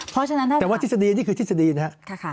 เพราะฉะนั้นแต่ว่าทฤษฎีนี่คือทฤษฎีนะครับ